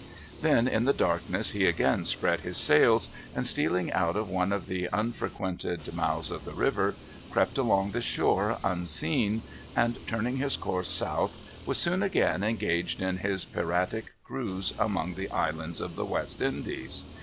Then in the darkness he again spread his sails, and stealing out of one of the unfrequented mouths of the river, crept along the shore unseen, and turning his course south, was soon again engaged in his piratic cruise among the islands of the West Indies.